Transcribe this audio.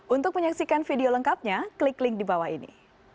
untuk menyaksikan video lengkapnya klik link di bawah ini